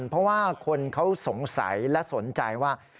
เพราะว่าคนเขาสงสัยและสนใจว่า